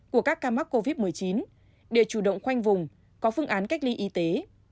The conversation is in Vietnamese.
của các ca mắc covid một mươi chín để chủ động khoanh vùng có phương án cách ly y tế